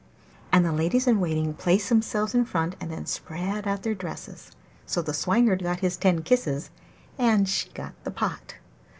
And the ladies in waiting placed themselves in front and then spread out their dresses; so the Swineherd got his ten kisses, and she got the pot.